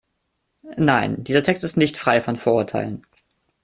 Nein, dieser Text ist nicht frei von Vorurteilen.